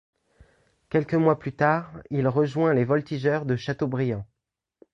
Quelques mois plus tard, il rejoint les Voltigeurs de Châteaubriant.